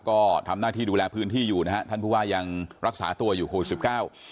ก็ทำหน้าที่ดูแลพื้นที่อยู่นะฮะท่านผู้ว่ายังรักษาตัวอยู่โควิดสิบเก้า